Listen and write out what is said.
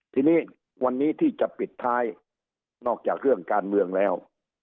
ทีนี้วันนี้ที่จะปิดท้ายนอกจากเรื่องการเมืองแล้ว